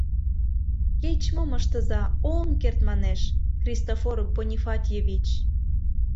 — Кеч-мом ыштыза, ом керт, — манеш, — Христофор Бонифатьевич!